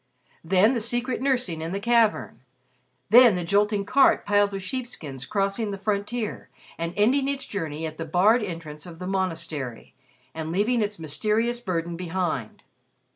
Then the secret nursing in the cavern; then the jolting cart piled with sheepskins crossing the frontier, and ending its journey at the barred entrance of the monastery and leaving its mysterious burden behind.